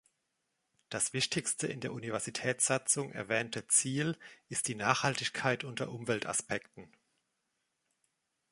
Das wichtigste in der Universitätssatzung erwähnte Ziel ist die Nachhaltigkeit unter Umweltaspekten.